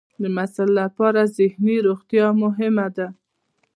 د محصل لپاره ذهني روغتیا مهمه ده.